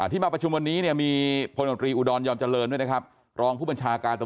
ที่มาประชุมวันนี้เนี่ย